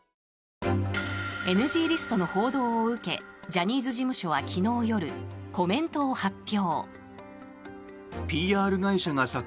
ＮＧリストの報道を受けジャニーズ事務所は昨日夜コメントを発表。